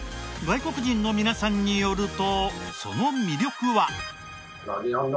外国人の皆さんによるとその魅力は。